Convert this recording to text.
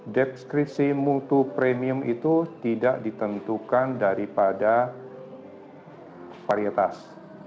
deskripsi mutu premium itu tidak ditentukan daripada varietas